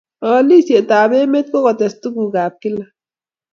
Oolisietab emet ak kotes tukukab kiila